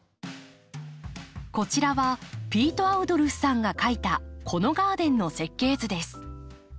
こちらはピート・アウドルフさんが書いたこのガーデンの設計図です。